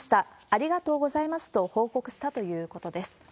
ありがとうございますと報告したということです。